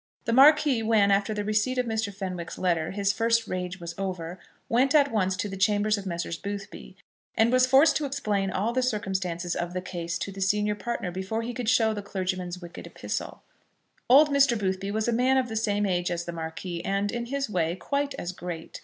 The Marquis, when, after the receipt of Mr. Fenwick's letter, his first rage was over, went at once to the chambers of Messrs. Boothby, and was forced to explain all the circumstances of the case to the senior partner before he could show the clergyman's wicked epistle. Old Mr. Boothby was a man of the same age as the Marquis, and, in his way, quite as great.